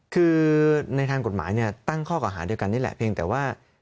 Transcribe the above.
คือในทางกฎหมายตั้งข้อกล่าหาเดียวกันนี่แหละเพียงแต่ว่า